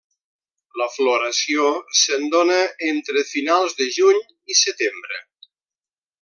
La floració se'n dona entre finals de juny i setembre.